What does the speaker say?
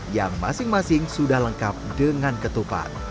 yang masing masing sudah lengkap dengan ketupat